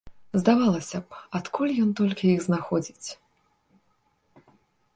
Здавалася б, адкуль ён толькі іх знаходзіць?